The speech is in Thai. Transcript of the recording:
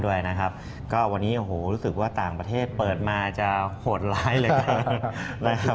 วันนี้รู้สึกว่าต่างประเทศเปิดมาจะโหดร้ายเลย